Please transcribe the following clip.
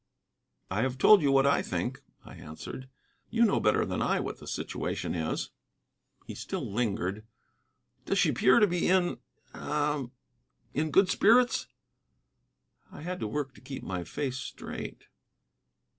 "I have told you what I think," I answered; "you know better than I what the situation is." He still lingered. "Does she appear to be in, ah, in good spirits?" I had work to keep my face straight.